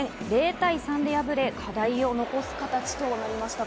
０対３で敗れ課題を残す形となりました。